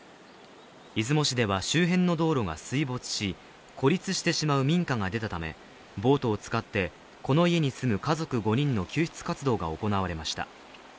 出雲市では周辺の道路が水没し孤立してしまう民家が出たため、ボートを使ってこの家に住む家族５人の救出活動が行われました。